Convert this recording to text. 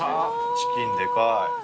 チキンでかい。